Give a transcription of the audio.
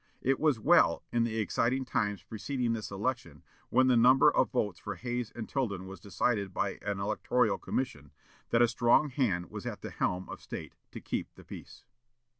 It was well, in the exciting times preceding this election, when the number of votes for Hayes and Tilden was decided by an electoral commission, that a strong hand was on the helm of State, to keep the peace.